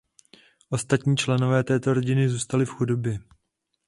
Ostatní členové této rodiny zůstali v chudobě.